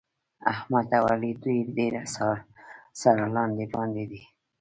احمد او علي دوی ډېر سره لاندې باندې دي.